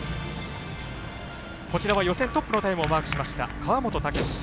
こちらは予選トップの記録をマークしました川本武史。